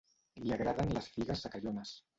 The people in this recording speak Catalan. Li agraden les figues secallones.